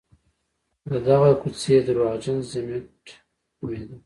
د دغې کوڅې درواغجن ضمټ نومېده.